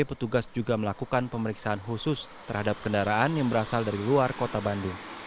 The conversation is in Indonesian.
petugas juga melakukan pemeriksaan khusus terhadap kendaraan yang berasal dari luar kota bandung